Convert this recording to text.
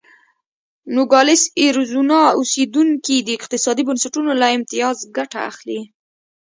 نوګالس اریزونا اوسېدونکي د اقتصادي بنسټونو له امتیاز ګټه اخلي.